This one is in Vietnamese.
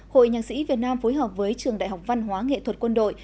hội nhạc sĩ việt nam phối hợp với trường đại học văn hóa nghệ thuật quân đội